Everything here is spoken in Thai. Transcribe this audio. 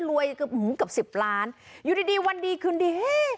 รวยกับสิบล้านอยู่ดีดีวันดีคืนดีเฮ้ย